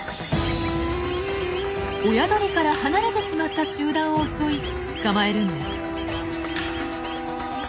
親鳥から離れてしまった集団を襲い捕まえるんです。